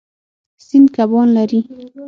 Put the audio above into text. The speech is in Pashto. سیند کبان لري.